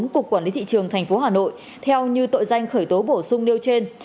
cục quản lý thị trường thành phố hà nội theo như tội danh khởi tố bổ sung nêu trên